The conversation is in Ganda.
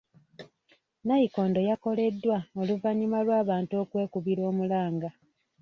Nnayikondo yakoleddwako oluvannyuma lw'abantu okwekubira omulanga.